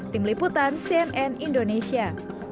tim liputan cnn indonesia